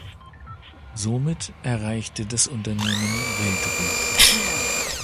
Somit erreichte das Unternehmen Weltruf.